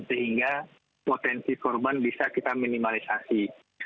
sehingga potensi korban bisa kita minimalisasi